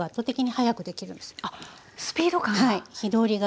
あっスピード感が。